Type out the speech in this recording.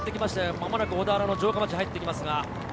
まもなく小田原、城下町に入っていきます。